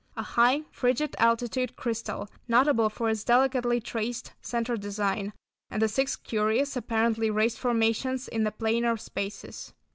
A high, frigid altitude crystal, notable for its delicately traced centre design, and the six curious, apparently raised formations in the plainer spaces.